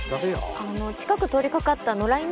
近く通り掛かった野良犬？